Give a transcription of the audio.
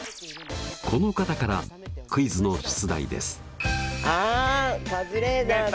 この方からクイズの出題です。